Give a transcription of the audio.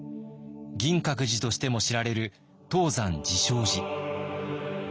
銀閣寺としても知られる東山慈照寺。